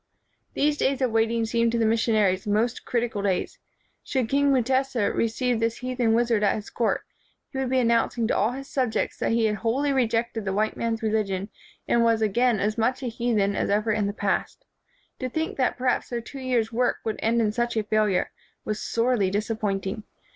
These days of waiting seemed to the mis sionaries most critical days. Should king Mutesa receive this heathen wizard at his court, he would be announcing to all his sub jects that he had wholly rejected the white man's religion and was again as much a heathen as ever in the past. To think that perhaps their two years' work would end in such a failure, was sorely disappointing.